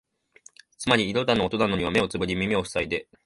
つまり色だの音だのには目をつぶり耳をふさいで、